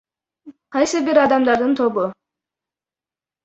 Кайсы бир адамдардын тобу.